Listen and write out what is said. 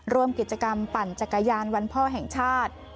ร่วมกิจกรรมปั่นจักรยานวันพ่อแห่งชาติ